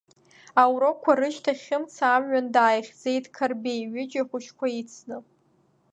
Аурокқәа рышьҭахь Хьымца амҩан дааихьӡеит Қарбеи, ҩыџьа ахәыҷқәа ицны.